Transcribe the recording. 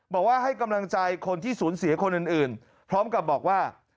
บอกว่าให้กำลังใจคนที่สูญเสียคนอื่นพร้อมกับบอกว่า